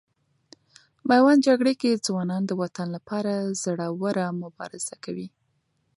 میوند جګړې کې ځوانان د وطن لپاره زړه ور مبارزه کوي.